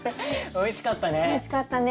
おいしかったね。